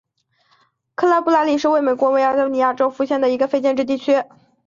克拉布特里是位于美国加利福尼亚州弗雷斯诺县的一个非建制地区。